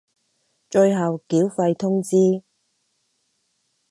最後繳費通知